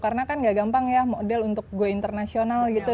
karena kan gak gampang ya model untuk go internasional gitu